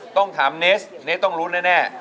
ต้องถามเนสเนสต้องรู้แน่